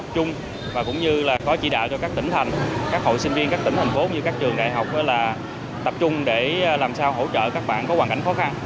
các hội sinh viên các tỉnh thành phố như các trường đại học tập trung để làm sao hỗ trợ các bạn có hoàn cảnh khó khăn